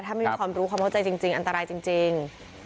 ถ้าไม่มีความรู้ความเข้าใจจริงอันตรายจริง